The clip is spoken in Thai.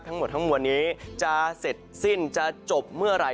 ทั้งหมดทั้งมวลนี้จะเสร็จสิ้นจะจบเมื่อไหร่